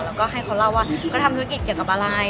แล้วก็ให้เขาเล่าว่าเขาทำธุรกิจเกี่ยวกับอะไร